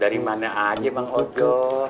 dari mana aja bang ojo